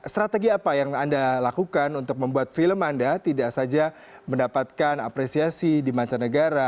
strategi apa yang anda lakukan untuk membuat film anda tidak saja mendapatkan apresiasi di mancanegara